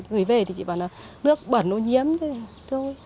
gửi về thì chỉ bảo là nước bẩn nó nhiếm thôi